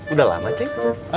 udah lama cek